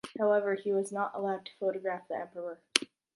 However, he was not allowed to photograph the emperor.